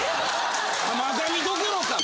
甘噛みどころか！